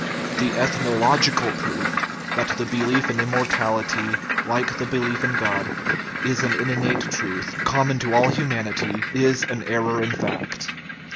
The ethnological proof that the belief in immortality, like the belief in God, is an innate truth, common to all humanity is an error in fact.